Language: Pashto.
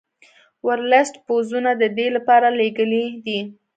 ورلسټ پوځونه د دې لپاره لېږلي دي.